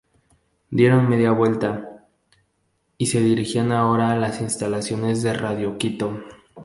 Dieron media vuelta, y se dirigían ahora a las instalaciones de Radio Quito.